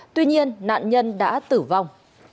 tuy nhiên nạn nhân đã tử vong